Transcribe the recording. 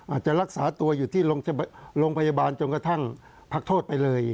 อาจจะรักษาตัวอยู่ที่โรงพยาบาลจนกระทั่งพักโทษไปเลย